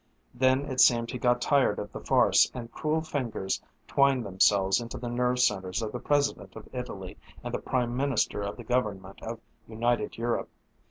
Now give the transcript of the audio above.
Then it seemed he got tired of the farce, and cruel fingers twined themselves into the nerve centers of the President of Italy and the Prime Minister of the government of United Europe.